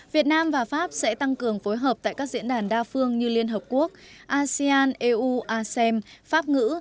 việt nam và pháp sẽ tăng cường phối hợp tại các diễn đàn đa phương như liên hợp quốc asean eu asem pháp ngữ